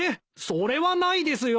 それはないですよ。